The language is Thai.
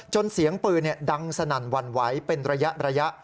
เสียงปืนดังสนั่นหวั่นไหวเป็นระยะ